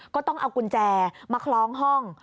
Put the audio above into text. ก็ต้องเอากุญแจมาคล้องห้อง